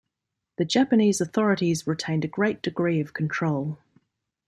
The Japanese authorities retained a great degree of control.